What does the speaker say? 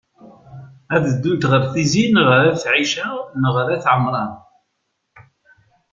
Ad ddunt ɣer Tizi n at Ɛica neɣ s at Ɛemṛan?